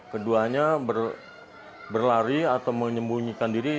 keduanya berlari atau menyembunyikan diri